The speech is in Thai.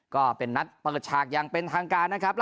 ก็เป็นนัดเปิดฉากอย่างเป็นทางการนะครับ